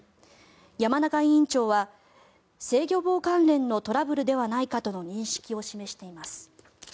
山中委員長は制御棒関連のトラブルではないかとの認識を示しています。